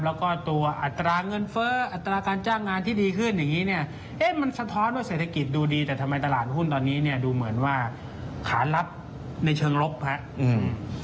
แล้วก็ตัวอัตราเงินเฟ้ออัตราการจ้างงานที่ดีขึ้นอย่างงี้เนี่ยเอ๊ะมันสะท้อนว่าเศรษฐกิจดูดีแต่ทำไมตลาดหุ้นตอนนี้เนี่ยดูเหมือนว่าขารับในเชิงลบครับอืม